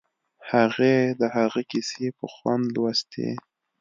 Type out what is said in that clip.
هغې د هغه کیسې په خوند لوستې